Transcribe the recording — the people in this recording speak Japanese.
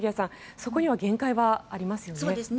そこに限界はありますよね。